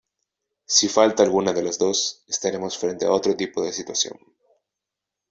Si falta alguna de las dos, estaremos frente a otro tipo de situación.